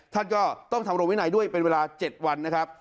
ท่านก็ต้องทำโรงวินัยด้วยเป็นเวลา๗วันนะครับ